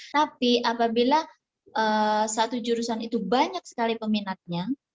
tapi apabila satu jurusan itu banyak sekali peminatnya